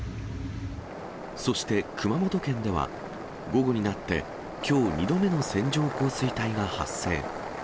そして、熊本県では午後になって、きょう２度目の線状降水帯が発生。